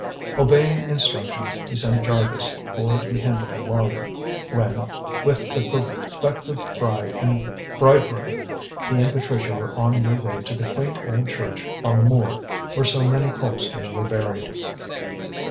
Obeying instructions, he sent Jarvis for the Hendle lawyer, when, with the prospective bride and bridegroom, he and Patricia were on their way to the quaint old church on the moor, where so many Colpsters were buried.